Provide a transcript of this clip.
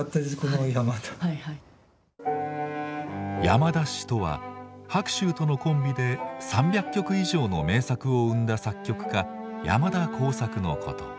「山田氏」とは白秋とのコンビで３００曲以上の名作を生んだ作曲家山田耕筰のこと。